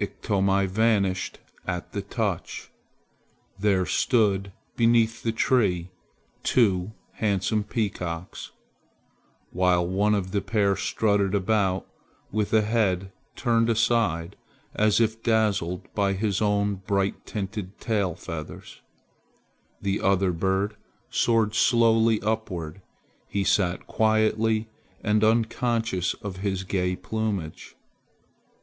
Iktomi vanished at the touch. There stood beneath the tree two handsome peacocks. While one of the pair strutted about with a head turned aside as if dazzled by his own bright tinted tail feathers, the other bird soared slowly upward. He sat quiet and unconscious of his gay plumage.